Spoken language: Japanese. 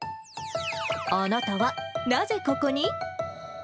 あなたはなぜここに？